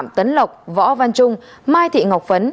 lê thị bạch vân nguyễn hữu phước phạm tấn lọc võ văn trung mai thị ngọc phấn